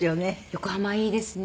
横浜いいですね。